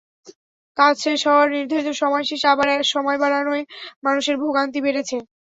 কাজ শেষ হওয়ার নির্ধারিত সময় শেষে আবার সময় বাড়ানোয় মানুষের ভোগান্তি বেড়েছে।